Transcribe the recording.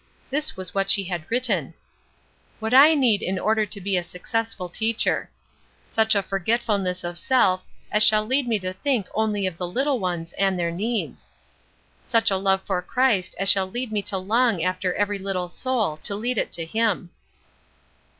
This was what she had written: "What I need in order to be a successful teacher. "Such a forgetfulness of self as shall lead me to think only of the little ones and their needs. "Such a love for Christ as shall lead me to long after every little soul to lead it to him."